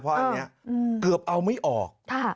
เพราะอันนี้เกือบเอาไม่ออก